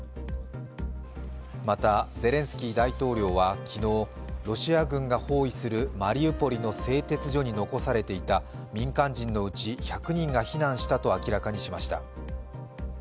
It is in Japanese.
また、ゼレンスキー大統領は昨日ロシア軍が包囲するマリウポリの製鉄所に残されていた、民間人のうち１００人が避難したと明らかにしました。